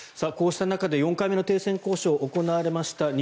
こうした中で４回目の停戦交渉が行われました。